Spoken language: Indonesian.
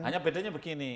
hanya bedanya begini